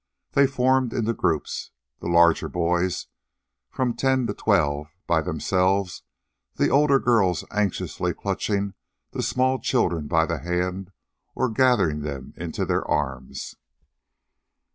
They formed into groups, the larger boys, of from ten to twelve, by themselves, the older girls anxiously clutching the small children by the hands or gathering them into their arms.